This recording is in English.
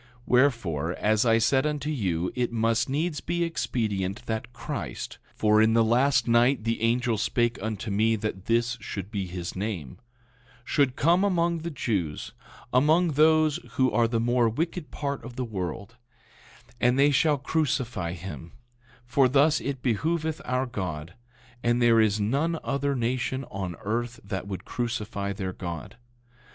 10:3 Wherefore, as I said unto you, it must needs be expedient that Christ—for in the last night the angel spake unto me that this should be his name—should come among the Jews, among those who are the more wicked part of the world; and they shall crucify him—for thus it behooveth our God, and there is none other nation on earth that would crucify their God.